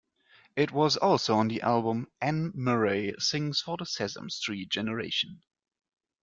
It was also on the album "Anne Murray Sings for the Sesame Street Generation".